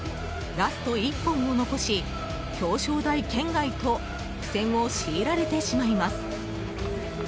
ラスト１本を残し、表彰台圏外と苦戦を強いられてしまいます。